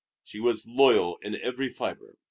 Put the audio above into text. She was loyal in every fibre.